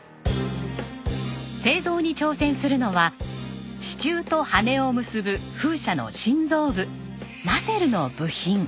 製造に挑戦するのは支柱と羽根を結ぶ風車の心臓部ナセルの部品。